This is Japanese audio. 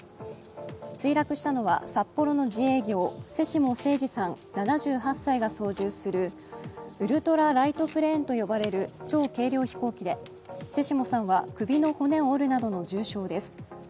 墜落したのは札幌の自営業・瀬下征士さんが操縦するウルトラライトプレーンと呼ばれる超軽量飛行機で瀬下さんは、首の骨を折るなどの重傷です。